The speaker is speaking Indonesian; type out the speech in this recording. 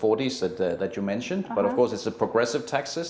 jadi lebih banyak uang yang anda bayar lebih banyak uang yang anda bayar